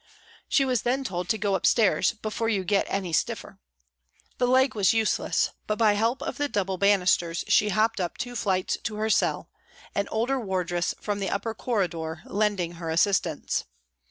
She was then told to go upstairs " before you get any stiffer." The leg was useless, but by help of the double banisters she hopped up two flights to her cell, an older wardress from the upper corridor lending her assistance.